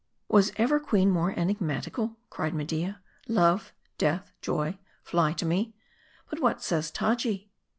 " Was ever queen more enigmatical ?" cried Media "Love, death, joy, fly, to me? But what saysTaji?"